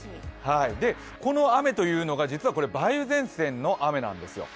この雨というのが実は梅雨前線の雨なんですよ。